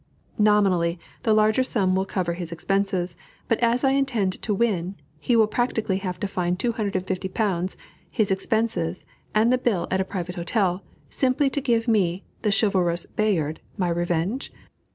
Nominally, the larger sum will cover his expenses, but as I intend to win, he will practically have to find £250, his expenses, and the bill at a private hotel, simply to give me, the chivalrous Bayard, my revenge?"